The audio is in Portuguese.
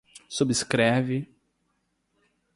subscreve